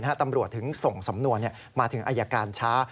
ตำรวจถึงส่งสำนวนมาถึงอายการช้า